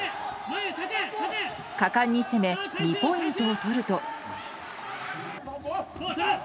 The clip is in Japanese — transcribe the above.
果敢に攻め２ポイントを取ると。